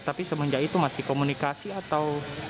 tapi semenjak itu masih komunikasi atau